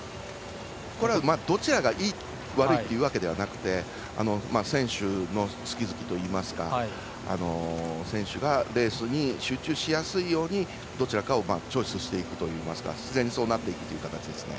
どちらがいい悪いというわけではなくて選手の好き好きといいますか選手がレースに集中しやすいようにどちらかをチョイスしていくといいますか自然にそうなっていくという形です。